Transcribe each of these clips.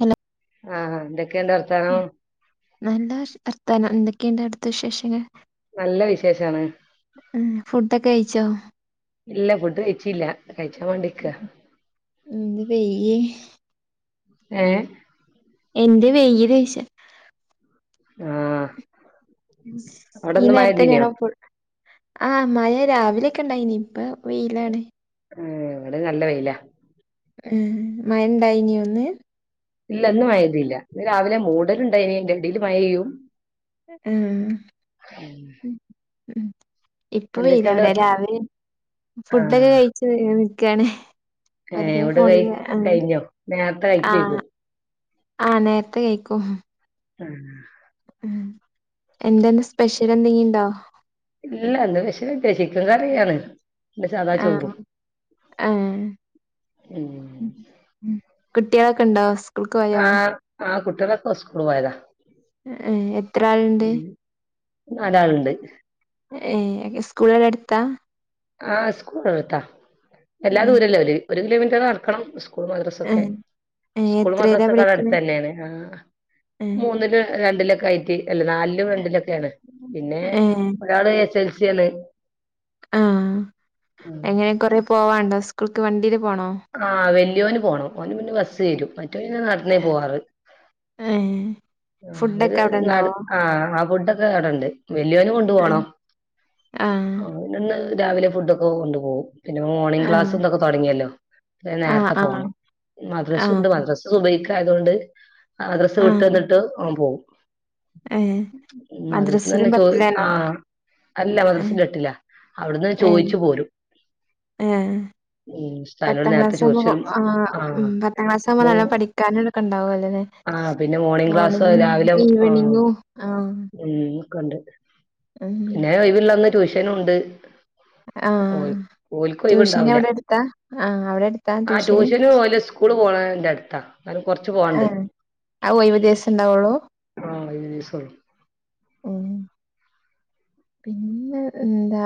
Hello ആഹഹാ എന്തൊക്കെയ എന്താ അർത്ഥാനോ നല്ല വർത്താനം എന്തൊക്കെയുണ്ട് അടുത്ത വിശേഷങ്ങ നല്ല വിശേഷാണ് ഉ ഫുഡൊക്കെ കഴിച്ചോ ഇല്ല ഫുഡ് കഴിച്ചില്ല കഴിച്ചാൻ വേണ്ടിിക്ക എന്ത് പെയ്യ ആഹ എന്റെ വെ്യ ദേശ ആഹ് ഈ അവിടെന്ന് നേരത്ത മഴയ്തീനോ തന്നെയണ ആഹ മഴ രാവിലെയൊക്കെ ഉണ്ടായിനി ഇപ്പ വെയിയിലാണ് ഇവിടെ നല്ല വയില ഉം മണ്ടായിന ഒന്ന് ഇല്ല ഇന്ന് മഴ പെയ്തില്ല ഇന്ന് രാവിലെ മൂടലുണ്ടായിനി അതിന്റെ ഇടയിൽ മഴ അഹ് ഇപ്പൊ വെയിലാണ് എന്തൊക്കെയുണ്ട് ഇവിടെ വർത്താ രാവിലെ ഫുഡ് ഒക്കെ കഴിച്ചിരിക്കണം ഏ ഇവിടെ കൈ കഴിഞ്ഞോ നേരത്തെ കയിക്കുമായിരിക്കും ആഹ നേരത്തെ കയിക്കും ആ ഉ എന്തെന്ന സ്പെഷ്യൽ എന്തെങ്കുണ്ടോ ഇല്ല എന്ന് പക്ഷേ ചിക്കൻ കറിയാണ് പിന്നെ സാദാ ആഹ് ചോറും ആഹ് ഉം കുട്ടികളൊക്കെ ഉണ്ടോ സ്കൂൾക്ക് പോയോ ആഹ് ആഹ് കുട്ടികളൊക്കെ സ്കൂളിൽ പോയതാ എത്ര ആളുണ്ട് ഉം നാലാളുണ്ട് നിങ്ങൾക് സ്കൂളെല്ലാം എടുത്താ ആ സ്കൂൾ അടുത്താ വല്ലാ ദൂരല്ലേ ഒരു കിലോമീറ്റർ നടക്കണം സ്കൂൾ മദ്രസയൊക്കെ ഏഹ് ഏഹ് സ്കൂൾ സ്കൂൾ എത്രേലാ മദ്രസക്കാള പഠിക്കണെ അടുത്ത് തന്നെയാണ് ആ ഏഹ് മൂന്നില് രണ്ടില അല്ല നാലിലും രണ്ടിലും ഒക്കെയാണ് പിന്നെ ഏഹ് ഒരാള് എസ് എൽ സി ആണ് ആ ഉം. എങ്ങനെ കൊറെ പോവാണ്ടോ സ്കൂൾക്ക് വണ്ടിൽ ആഹ വല്യ ന് പോണം ഓന് മുന്നേ ബസ്സ് വരും മറ്റവൻ നടന്ന പോവാറ് ഏഹ് ആര് ഫുഡൊക്കെ അവിടെ നട ഇണ്ടാവോ ആഹ ആ ഫുഡ്ക്കെ അവിടണ്ട് വലിയോനും കൊണ്ടു ഏഹ് പോണം ആഹ് അവിടുന്ന് രാവിലെ ഫുഡൊക്കെ കൊണ്ടു രാവിലെ ഫുഡ് ഒക്കെ കൊണ്ട് പോകും പിന്നെ മോർണിംഗ് ആഹ് ക്ലാസൊക്കെ തുടങ്ങിയല്ലോ ആഹ് നേരത്തെ ആഹ് പോകണം മദ്രസുണ്ട് ആഹ് മദ്രസ സുബഹിക്ക് ആയത് കൊണ്ട് മദ്രസ വിട്ടുന്നിട്ട് അവൻ പോകും ആഹ മദ്രസ ന്ന് തന്നെ ചോർ ആ അല്ല ഏഹ് മദ്രസിലും എട്ടില അവിടുന്ന് ചോയിച്ചു പോരും ആഹ ഉം ഉസ്താദിനോട് പത്താം നേരത്തെ ക്ലാസ് ചോദിച്ചു ആകുമ്പോ വരും ആ ഉ ആഹ് പത്താം ക്ലാസ് ആകുമ്പോ മോ നല്ല പഠിക്കാനുംടക്കെ ഇണ്ടാവും അല്ലേ ആഹ് പിന്നെ മോർണിംഗ് ക്ലാസ് രാവിലെ ആ ആഹ് ഉം ഒക്കെ ണ്ട് ഉം പിന്ന ഒയിവുള്ളന്ന് ട്യൂഷനും ഉണ്ട് ആഹ് ഓള്ക്ക് ട്യൂഷന് ഒഴിവുണ്ടാവില്ല അവിടെ എടുത്താ ആഹ് അവിടെ എടുത്താ ആ ട്യൂഷന് പോവല് സ്കൂള് പോണ എന്റെ അടുത്താ ഞും കൊറച്ച് പോവാണ്ട് ആഹ് ആ ഒഴിവ് ദിവസം ഉണ്ടാവുള്ളൂ ആഹ് സ ഉം പിന്നെ എന്താ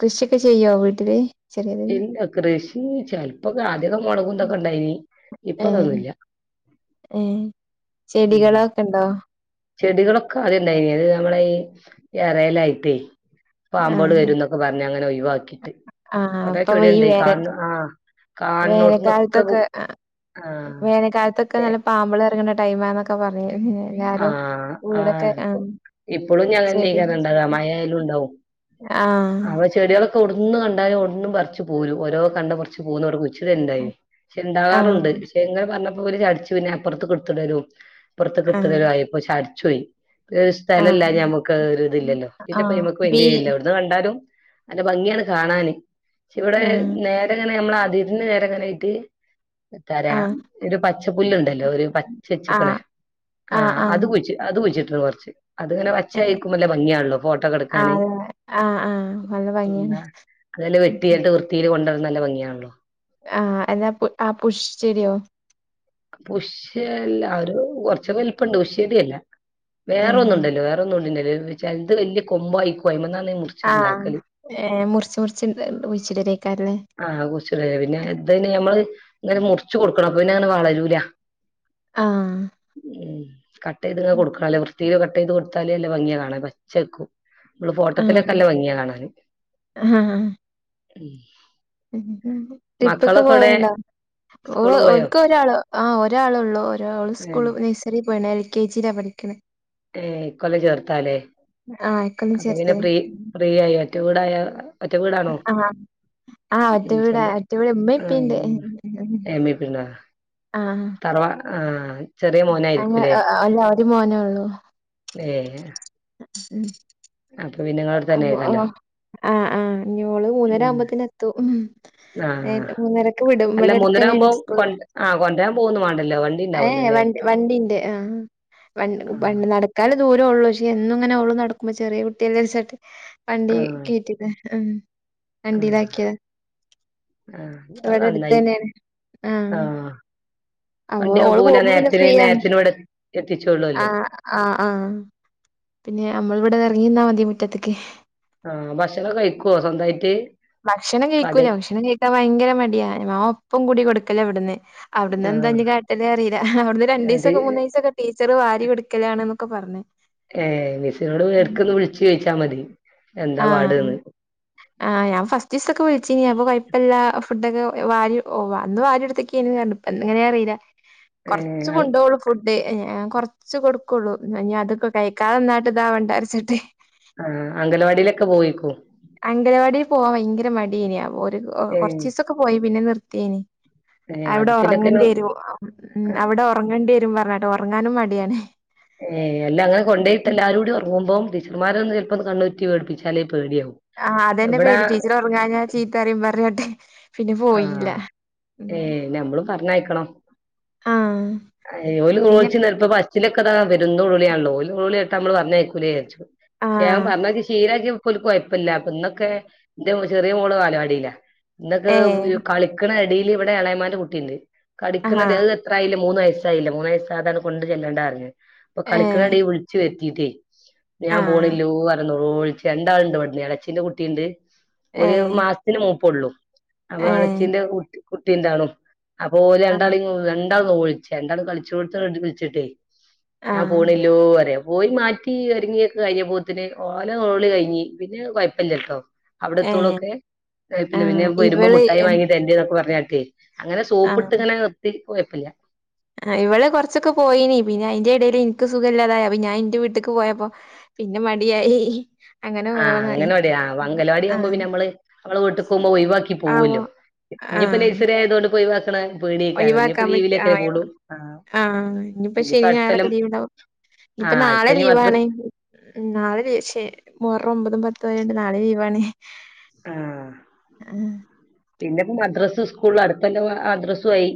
കൃഷിയൊക്കെ ചെയ്യോ വീട്ടില് ചെറിയത് ഇല്ല കൃഷി ചിലപ്പോൾ [unintelligible] ആദ്യം മുളകുന്തൊക്കെ ഇണ്ടായിനി ഇപ്പതൊന്നുമല്ല ഏ ചെടികളൊക്കെ ഉണ്ടോ ചെടികളൊക്കെ അത്ണ്ടായിന അത് നമ്മള ഈ റഇറായിലായിട്ട് പാമ്പോള് ആഹ് വരും എന്നൊക്കെ പറഞ്ഞ അങ്ങനെ ഒഴിവാക്കിട്ട് ആഹ് കൊറേ അപ്പൊ ചെടി ഈ ഉണ്ടായി വേനൽക്ക കാണ് ആഹ് വേനൽക്കാലത്തൊക്കെ ആഹ് വേനൽക്കാലത്തൊക്കെ നല്ല പാമ്പൾ ഇറങ്ങണ ടൈമാന്നക്കെ പറയാേ ആ ആ ആഹ് ഇപ്പോഴും ചെടി ഞാൻന്നെയക്കാനുണ്ടാക മയായാലും ഉണ്ടാവും ആഹ് അവ ചെടികളൊക്കെ ഉടന്ന് കണ്ടാലുംഓ ച്ച് പോലും ഓരോ കണ്ടറച്ച് പോന്നക്ക് ഉച്ചിരി ഉണ്ടായി പക്ഷെ ഉണ്ടാകറുണ്ട് ആഹ് പക്ഷെ എങ്ങന പറ ചടു പിന്നെ അപ്പുറത്ത് കൊടുത്തടരും ആഹ് രുയപ്പോ ചടച്ചു പോയി ഒരു സ്ഥലമല്ല ആഹ് ഞമ്മുക്ക് ഒരു ഇതില്ലല്ലോ പിന്നെപ്പൊ ആഹ് നഞമുക്ക് ബി വേണ്ടിയല്ല എവിടുന്ന് കണ്ടാലും- അന്റെ ഭംഗിയാണ് കാണാാന് ഇവിടെ ആഹ് നേരെങ്ങനെ നമ്മൾ അതിരിന് നേരെങ്ങനായിട്ട് എന്ത പറയാൻ ആഹ് ഒരു പച്ചപ്പുല്ലുണ്ടല്ലേ ഒരു പച്ചച്ചക്കണേ ആഹ് ആ ആഹ് ആഹ് അത് കുഴിച്ച് അത് കുഴിച്ചിട്ട് കൊറച്ച് അത്ങ്ങനെ ഏഹ് വച്ചയക്കുമല്ലേ ഭംഗിയാണല്ലോ ഫോട്ടോക്ക എടുക്കാന് ആഹ് ആഹ് ആഹ് നല്ല ഭംഗിയാണ് ഉന്നാ അതെല്ല വെട്ടിയെട്ട് വൃത്തിയിൽ കൊണ്ടുവരുന്ന നല്ല ഭംഗിയാണല്ലോ ആഹ് എന്താ പു ആ പുഷ് ചെടിയോ പുഷ് അല്ല അ ഒരു കൊറച്ചക്ക വലിപ്പ ഉണ്ട് ഉഷ്‌എടി അല്ല വേറെ ഏഹ് ഒന്നുണ്ടല്ലോ വേറൊന്നും ഉണ്ട്ൻ്റെടേല്ല് ചണ്ട് വല്യ കൊമ്പായി ക്കോയ്മന്നാൽ ആഹ് ഏ മുറിച്ച് മുറിച്ച് [unintelligible] ഒഴിച്ചിടരേക്കാല്ലേ ആഹ് കൊറച്ച് നേരായ് പിന്നെ ഇത്‌ന് ഞമ്മള് ഇങ്ങനെ മുറിച്ചു കൊടുക്കണം അപ്പൊ പിന്നെ അങ്ങനെ വളരൂല ആഹ് ഉം കട്ട് ചെയ്ത്ങ്ങ് കൊടുക്കാലോ വൃത്തീല് കട്ട് ചെയ്ത് കൊടുത്താലേ ല്ല ഭംഗിയാ കാണാൻ പച്ചക്കും മ്മള് ആഹ് ഫോട്ടത്തിലൊക്കെ നല്ല ഭംഗിയാ കാണാന് ആഹ് ഉം ട്രിപ്പൊക്കെ മക്കളൊക്കെ എവിടെ പോവേണാ ഓ സ്കൂള് പോയോ ഓൾക്ക് വരാൻ ഒരാള് ആഹ് ഒരാളെ ഒള്ളു ഒരാള് ഏഹ് സ്കൂള് നഴ്സറി പോയേണെ എൽ കെ ജിലാ പഠിക്കണെ ഏ കൊളേജ് ഹർത്താല്ലേ ആഹ് ഇക്കൊല്ലം അപ്പൊ പിന്നെ ചേർത്തിയതാ ഫ്രീ ഫ്രീ ആയ് ഒറ്റ വീടായ ഒറ്റ വീടാണോ ആഹ് ആഹ് ഒറ്റ ഉം വീടാ സ്വന്തം അറ്റവിടെ ഉമ്മേ ഉപ്പേ ഇണ്ട് എം ഇ പി ന്നാ ആഹ് തറവാ ആഹ് ചെറിയ അങ്ങ മോനായിരിക്കൂല്ലേ അ അ അല്ല ഒര് മോനേ ഒള്ളു ഏ ഉം അടുത്ത് തന്നെ അപ്പൊആ ആയിക്കാല്ലോ ആഹ് ആഹ് ഇനി ഓള് മൂന്നര ഉം ആവുമ്പത്തന്നെ എത്തും മ് നേരെ ആഹ് മൂന്നരക്ക് വിടും അല്ല ഇവിടെ അടുത്ത് തന്നെയാണ് മൂന്നരാവുമ്പോ കൊ സ്കൂള് ആഹ് കൊണ്ടരാൻ പോവൊന്നും വാണ്ടല്ലോ വണ്ടി ഏ എ ഉണ്ടാവൂലല്ലേ വണ്ടി വണ്ടിണ്ട് ആഹ് വണ്ട് ആഹ് ഉപ്പായൊണ്ട്നടക്കാനൊ ദൂരോ ഒള്ളു പക്ഷേ എന്നും ഇങ്ങന ഓള് നടക്കുമ്പ ചെറിയ കുട്ടിയല്ലെച്ചട്ട് വണ്ടീ ആഹ് കേറ്റിത് എഹ് ആഹ് വണ്ടിയിലാക്കിയത് ആഹ് അത് ഇവടെ നന്നായി അടുത്തന്നെയാണ് ആഹ് അ ഓ ഓള് വണ്ടിയാവുമ്പോ ഓല് ആ പോകുമ്പ വണ്ടി പോല പിന്നെ നേരത്തിന് ഫ്രീയാണ്. നേരത്തിന് ഇവിടെ ആ എത്തിച്ചോളൊല്ലോ ആ ആഹ പിന്നെ നമ്മൾ ഇവ്ടെ എറങ്ങി നിന്നാ മതി മുറ്റത്തക്ക് ആഹ് ഭക്ഷണം കഴിക്കോ സ്വന്തായിട്ട് ഭക്ഷണം അതെ കഴിക്കൂല. ഭക്ഷണം കഴിക്കാൻ ഭയങ്കര മടിയാ മാ ഉ ഉപ്പും കൂടി കൊടുക്കല്ലോ ഇവിടുന്ന് അവിടുന്നൻ ആഹ് ദെഞ്ഞ് കാട്ടല് അറിയില്ല അവിടുന്ന് അത് രണ്ടിയ്സൊക്ക മൂന്ന്‌വയ്സൊക്ക ടീച്ചറ് വാരി കൊടുക്കലാണന്നൊക്ക പറഞ്ഞ് ഏ മിസ്സിനോട് പേർക്കൊന്ന് വിളിച്ചു ചോിച്ചാ മതി എന്താ ആഹ് പാട്ന്ന് ആഹ് ഞാൻ ഫസ് ജിസ്സക്ക വേടിച്ചേനി അപ്പൊ കൊഴപ്പല്ലാ ഫുഡൊക്കെ എ വാരി ഓ വന്ന് വാരി എടുത്തക്ക് [unintelligible] എടുത്തേക്ക ഇപ്പ എങ്ങനെ അറിയില്ല ഏഹ് കൊറച്ച് കൊണ്ടോവ്ള്ളൂ ഫുഡ് എ ആ കൊറച്ച് കൊടുക്കുള്ളു ന്‌ ഇനിയാ അതൊക്കെ കഴിക്കാതെ നന്നായിട്ട് ഇതാ വേണ്ടാരിച്ചിട്ട് ആ അംഗലവാടീലൊക്കെ പോയിക്കും അംഗലവാടിയിൽ പോവാൻ ഭയങ്കര മടീന ഒര് ഓഅ ഏഹ് കൊറച്ചിവസക്കെ പോയി പിന്നെ നിർത്തിയേന് ഏഹ് അവിടെ ആദ്യത്തിലൊക്കെനോ ഒറങ്ങേണ്ടി വരും ഉ അ മ്ന അവിട ഒറങ്ങേണ്ടി വരും പറഞ്ഞാ ഒറങ്ങാനും മടിയാണ് ഏ അല്ല അങ്ങനെ കൊണ്ട് പോയിട്ട് എല്ലാരൂടി ഒറങ്ങുമ്പം ടീച്ചർമാര് ഒന്ന് ചെലപ്പോ കണ്ണുരിറ്റി പേടിപ്പിച്ചാല് ആഹ് അതന്നെ പേടി ടീച്ചർ ഒറങ്ങാ ഞാ ചീത്തറയും പറഞ്ഞിട്ട് പിന്നെ പോയില്ല ഏ ഉം നമ്മളും പറഞ്ഞയക്കണം ആഹ് അയ് ഓല് പിന്നെ [unintelligible] നിർത്തമ്പം അച്ഛന് ക്കതാ വരുന്ന ഉള്ളിയാണല്ലോ ഓയില് ഉള്ളി ഇട്ട് നമ്മള് പറഞ്ഞേക്കൂലേ ഞാൻ ആഹ് പറഞ്ഞതക്ക ശീലാക്കി ക്കൊലു കൊയൊപ്പില്ല അപ്പൊ ഇങ്ങക്കെ ൻ്റെ മോ ചെറിയ മോള് ബാലപാടീലാ ഏഹ് ഇന്തൊക്ക കളിക്കണ എടേല് ഇവിടെ എളേമ്മാൻ്റെ കുട്ടി ഇണ്ട് ആഹാ കളിക്കണത് അത് എത്ര ആയാലും മൂന്ന് വയസായില്ല മൂന്ന് വയസ്സാകാനുകൊണ്ട് ചെല്ലണ്ടാറഞ്ഞ്. അപ്പ കളിക്ക് ഏഹ് ഇടേ വിളിച്ച് വര്ത്തീട്ടേ ഞാൻ ആഹ് പോണില്ലൂ വരന്നോളൂ ഒഴിച്ച് രണ്ടാളുണ്ട് ഇവിടന്ന് ഞങ്ങളച്ചിൻ്റെ കുട്ടി ഒണ്ട് ഒരു ഏഹ് മാസത്തിന് മൂപ്പ് ഉള്ളു അപ്പൊ ഏഹ് ഇളച്ചിന്റെ കു കുട്ടി എന്താണും അപ്പൊ ഓര് ആഹ് രണ്ടാളെ രണ്ടാളും കളിച്ചേ രണ്ടാളും കളിച്ചു കൊടുത്ത വിളിച്ചിട്ടേ ഞാൻ ആഹ് പോണില്ലോ പറയും പോയി മാറ്റി ഒരുങ്ങിയൊക്കെ കഴിഞ്ഞ പോത്തിന് ഓല ഓള് കഴിഞ്ഞി പിന്നെ കൊഴപ്പല്ല ട്ടോ ഏഹ് അവിടെത്തോളൊക്കെ [unintelligible] പിന്നെ ആഹ് വരുമ്പം ഇവള് മുഠായി വാങ്ങി തരണ്ട്ന്നൊക്കെ പറഞ്ഞാട്ടെ അങ്ങനെ സോപ്പിട്ടിങ്ങനെ നിർത്തി കൊയപ്പല്ല ആ ഇവള് കൊറച്ചൊക്കെ പോയിനി പിന്നെ അയ്ന്റെ എടയില് ഇൻക്ക് സുഖല്ലാതായി അപ്പ ഞാൻ ഇന്റെ വീട്ട്ക്ക് പോയപ്പം പിന്നെ മടിയായി അങ്ങനെ ആ ഓരോന്നായി അങ്ങനെ മടിയാ ആ അഗനവാടിയാവുമ്പം ആഹ് പിന്നെ നമ്മള് നമ്മള് വീട്ട്ക്കോവുമ്പോ ഒഴിവാക്കി ആവോ പോവോല്ലോ ഇഞ്ഞിപ്പം ആഹ് നഴ്സറി ആയതുകൊണ്ട്പ്പം ഒഴിവാക്കി ഒഴിവാക്കാൻ പറ്റ ആ ആഹ് ആഹ് ഇനിപ്പം ഇഞ്ഞിപ്പോ ശനി ഞായറൊക്കെ അടുത്തൊല്ലം ലീവ് ഇണ്ടാവും ഇഞ്ഞിപ്പം ആഹ് നാളെ അടുത്തഞ്ഞി ലീവണ് മദ്രസ് നാളെ ലീവ് ശെ മു ഹറം ഒമ്പതും പത്തും ആയോണ്ട് നാളെ ലീവാണ് ആഹ് പിന്നെപ്പം മദ്രസ്സ് സ്കൂള് അടുത്ത കൊല്ലം മദ്രസ്സു ആയി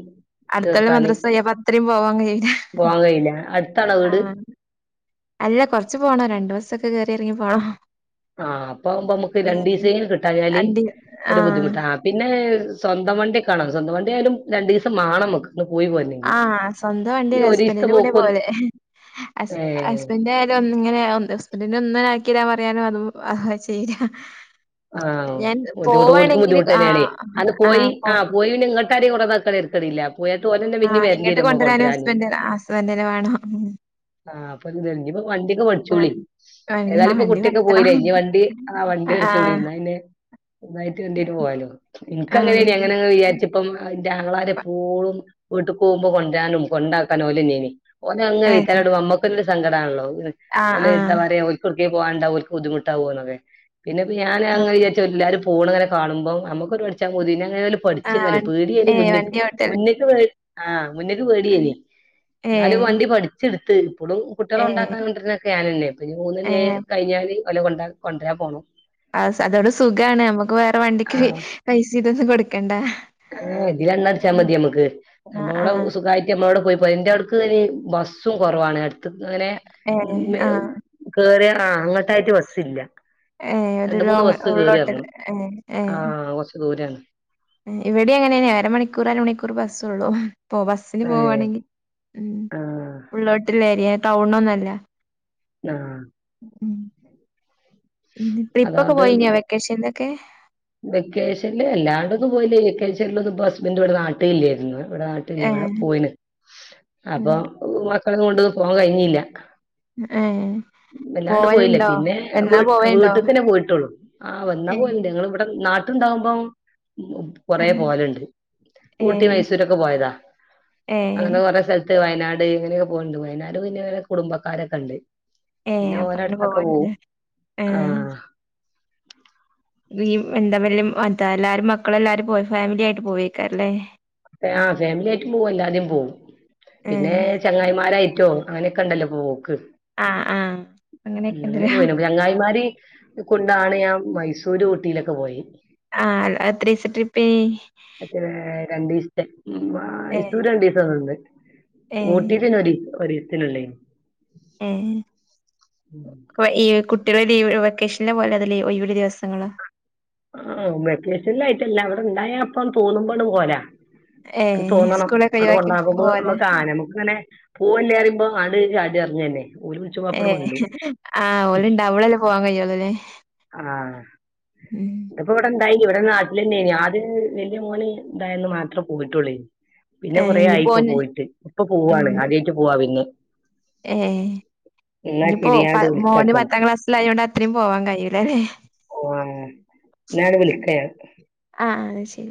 അടുത്ത കൊല്ലം ചേർത്താന് മദ്രസും ആയി അപ്പം അത്രയും പോവാൻ കഴിയൂല്ല പോവാൻ കഴിയില്ല അടുത്താണോ വീട് ആഹ് അല്ല കൊറച്ച് പോണം രണ്ടു ബസൊക്കെ കേറി എറങ്ങി പോണം ആഹ് അപ്പാവുമ്പം നമ്മക്ക് ആഹ് രണ്ടീസേങ്കിലും കിട്ടായാല് വണ്ടി ഒരു ബുദ്ധിമുട്ട ആഹ് പിന്നേ സ്വന്തം വണ്ടി ഒക്കെ ആവണം സ്വന്തം വണ്ടി ആയാലും രണ്ടീസം ദ മാണം നമ്മക്ക് ഒന്ന് പോയി പോരണെങ്കി ആഹ് സ്വന്തം വണ്ടിയ ഈ ഒരീസത്തെ ഹസ്ബന്റിന്റെ കൂടെയാ പോക്ക് പോവല് ഹസ് ഏ ഹസ്ബന്റ് ആയാലും ഒന്നിങ്ങ ഹസ്ബന്റിന്റെ ഒന്ന് ആക്കിടാൻ പറയാനും അത് അ ചെയ്യ്ല്ല ആഹ് ബുദ്ധിമുട്ട് ഓൽക്കും ആഹ് ബുദ്ധിമുട്ടന്നെയാണേയ് അന്ന് പോയി ആഹ് പോ ആ പോയി പിന്നേ ഇങ്ങട്ട് [unintelligible] കൊണ്ടന്നാക്കാണെങ്കി തരക്കെടില്ല പോയതു പോലെ തന്നെ പിന്നെ ആഹ് ഇങ്ങട്ട് വരണ്ടിവരും നമ്മളെ കൊണ്ടരാന് ഹസ്ബൻഡ് ഹസ്ബൻഡിന് വേണം ആഹ് അപ്പം [unintelligible] ഇഞ്ഞിപ്പം വണ്ടിയൊക്കെ പഠിച്ചോളി ആഹ് പിന്നെ ഏതായാലും ഇപ്പം വണ്ടി കുട്ടിയൊക്കെ പഠിക്കണം പോയിലെ ഇനി വണ്ടി ആ വണ്ടി ആഹ് ച്ചോളീം ന്ന പിന്നേ [unintelligible] പോവാലോ ഇൻക്ക് ആഹ് അങ്ങനയ്നിം അങ്ങനങ്ങനെ വിചാരിച്ചിപ്പം ന്റെ ആങ്ങളാര് എപ്പോളും വീട്ട്ക്കോവുമ്പം കൊണ്ടരാനും കൊണ്ടാക്കാനും ഓലെന്നയ്നിം ഓലങ്ങനെ ഏഹ് വൈത്താലെ [unintelligible] മ്മക്കൊരു സങ്കടാണല്ലോ ആഹ് ഓല് എന്താ ആഹ് പറയാ ഓൽക്കും പോവാണ്ടാവോ ഓൽക്ക് ബുദ്ധിമുട്ടാവോന്നൊക്കെ പിന്നെപ്പം ഞാന് ആഹ് അങ്ങനെ വിചാരിച്ച എല്ലാരും പോണ്ങ്ങനെ കാണുമ്പോ നമുക്ക് ഒരു പഠിച്ചാൻ പൂതി ന്നെ എങ്ങനെ ഓല് ആഹ് വ പഠിച്ചേതാലും പേടിയേത്യേ ഏഹ് മുന്ന്ക്ക് വണ്ടി ഓട്ടല് മുന്ന്ക്ക് പേ ആഹ് മുന്ന്ക്ക് പേടിയേനി ഇന്നാലും ഏഹ് വണ്ടി പഠിച്ച്ട്ത്ത് വ്ടും കുട്ട്യോളെ ഏഹ് കൊണ്ടാക്കാനും കൊണ്ട്രാനൊക്കെ ഞാനന്നെ ഇപ്പഞ്ഞ് മൂന്ന് മണി ആയി ഏഹ് കഴിഞ്ഞാല് ഓലെ കൊണ്ട്രാൻ പോണം. ആഹ് അതോട് സുഖാണ് നമ്ക്ക് വേറെ വണ്ടിക്ക് ആഹ് പൈസി ഇതൊന്നും കൊട്ക്കണ്ട. ആഹ് ഇതിലെണ്ണ അടിച്ചാ മതി ഞമ്മക്ക് ആഹ് അപ്പൊവടെ ആഹ് സുഖായിട്ട് ഞമ്മളോടെ പോയി ഇപ്പന്റെ അവട്ക്ക് ഇനി ബസും കൊറവാണ് എട്ത്ത്ങ്ങനെ ഏഹ് ആഹ് കേറ്യാ ആഹ് അങ്ങട്ടായിട്ട് ബസ്സില്ല്യ. ഏഹ് ഒരു രണ്ട് മൂന്ന് ലോങ് ബസ് കേറി ഉള്ളോട്ടല് എറങ്ങണം ഏഹ് ആഹ് കൊറച്ച് ദൂരാണ് ഏഹ് ഇവിടിം അങ്ങനന്നെ അരമണിക്കൂർ അരമണിക്കൂർ ബസ്സൊള്ളൂ. ഇപ്പൊ ബസ്സിന് ഏഹ് പോവാണെങ്കി ഉ ആഹ് ഉള്ളോട്ട്ള്ളെ ഏരിയേ ടൗണൊന്നല്ല. ആഹ് ഉം ഇത് ട്രിപ്പൊക്കെ പോയി ന്യോ വെക്കേഷൻലൊക്കെ? വെക്കേഷൻല് വല്ലാണ്ടൊന്നും പോയില്ല വെക്കേഷൻലൊന്നും ഇപ്പൊ ഹസ്ബൻഡ് ഇവടെ നാട്ടി ഇല്യേര്ന്നു. ഇവിടെ നാട്ടില്ല്യ ഏ ഇവടെ പോയിണ് അപ്പൊ മക്കളേംകൊണ്ട്ന്നും പോവാൻ കഴിഞ്ഞീല്ല്യ. എ ഏഹ് വല്ലാണ്ട് പോയില്ല പിന്നെ വീ വീട്ട്ക്കെന്നെ പോയിട്ടൊള്ളു ആഹ് വന്നാ ഏ പോവല്ണ്ട് ഞങ്ങള് ഇവടെ നാട്ട്ണ്ടാവുമ്പം കൊറെ പോവല്ണ്ട് ഏ ഊട്ടി മൈസൂരൊക്കെ പോയതാ ഏ അങ്ങനെ കൊറെേ സല ത്ത് വയനാട് ഇങ്ങനെയൊക്കെ പോവ്ണ്ട് വയനാട് പിന്നെ കുടുംബക്കാരൊക്കെണ്ട്. ഏ പിന്നെ അപ്പ അങ്ങനെ ഓരട്ക്കൊക്കെ പോവും പോവാനല്ലേ ഏ ആഹ് ഈ എന്താ അതാ എല്ലാരും മക്കള എല്ലാരും പോ ഫാമിലി ആയിട്ട് പോവക്കാറല്ലേ ആ ഫാമിലി ആയിട്ടും പോകും അല്ലാതെയും പോവും ഏ പിന്നെ ചങ്ങായിമാരായിട്ടോ അങ്ങനെ കണ്ടല്ലോ പോവോ ആ ആ അങ്ങനെയൊക്കെ അങ്ങനെെ ഉണ്ടല്ലോ പോ ചങ്ങായിമാര് കൊണ്ടാണ് ഞാൻ മൈസൂര് ഊട്ടിയിലൊക്കെ പോയി ആഹ അത്ര ദിവസ ട്രിപ്പ അ രണ്ടിവസത്തെ ഏ മൈസൂർ രണ്ട ദിവസംന്നണ്ട് ഏ ഊട്ടിത്തി ഒ ഒത്തിനല്ലേ ഈ കുട്ടികള ലീവ് വെക്കേഷനെ പോലെ അ ഒരു ദിവസം ആ വെക്കേഷല്ല ആായിട്ടല്ല അവിടെ ഉണ്ടായപ്പ തോന്നുമ്പോാണ് പോരാ ഏ തോന്നണം സ്കൂളൊക്കെ അത് ഒഴിവാക്കി കൊണ്ടാകുമ്പോ ഓലെ നമ്മുക്ക് ആന നമക്ക് അങ്ങനെ പോൂവല്ലേ അറിയുമ്പോ അ ചാടി പറഞ്ഞു തന്നെ ഏ ആ ഓല ഇണ്ട അവളല്ലേ പോവാാൻ കഴിയുള്ളല്ലേ ഉം ഉണ്ടായി ഇവിടെ നാട്ടില തന്നെയാത് വല്ിയ മോനെ ഉണ്ടായന്ന് മാത്രേ പോയിട്ടുള്ളി പിന്നെ ഏ കൊറ ആയി ഇനിപ്പോ ഇപ്പ ഓന് പോയിട്ട് ഇപ്പൊ ഉം പോവാണ് ആദ്യമായിട്ട് പോവാ പിന്ന ഏ ഇനിിപ്പോ ശരി ഞാൻ ഇങ്ങട്ട് മോന് വിളിക്കാട്ടോ പത്താം ക്ലാസ്സൽ ആയ കൊണ്ട് അത്രയും പോവാൻ കഴട്ടും അതല്ലേ ആഹ നാട മനിക്ക ആ അത് ശരി